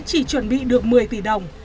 chỉ chuẩn bị được một mươi tỷ đồng